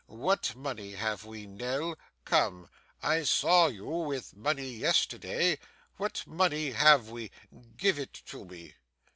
What money have we, Nell? Come! I saw you with money yesterday. What money have we? Give it to me.